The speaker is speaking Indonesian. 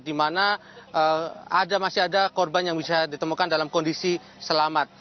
di mana masih ada korban yang bisa ditemukan dalam kondisi selamat